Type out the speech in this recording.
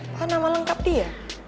wah nama lengkap dia